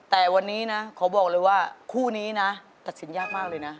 แม่ผิดเอง